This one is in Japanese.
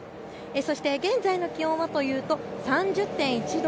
そして現在の気温はというと３０．１度。